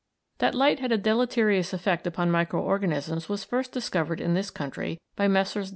That light had a deleterious effect upon micro organisms was first discovered in this country by Messrs.